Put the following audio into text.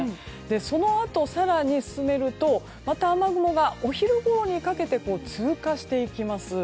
そのあと更に進めるとまた雨雲がお昼ごろにかけて通過していきます。